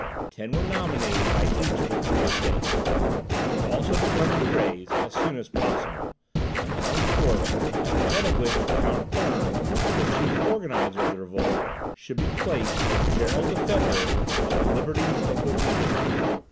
Ten were nominated by each of the three Estates; they also determined to raise, as soon as possible, an armed force, at the head of which Count Thurn, the chief organizer of the revolt, should be placed as general defender of the liberties of Bohemia.